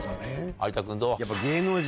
有田君どう？